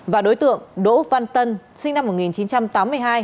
và đối tượng đỗ văn tân sinh năm một nghìn chín trăm tám mươi hai